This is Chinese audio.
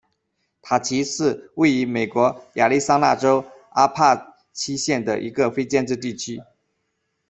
塔奇是位于美国亚利桑那州阿帕契县的一个非建制地区。